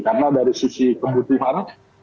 karena dari sisi kebutuhan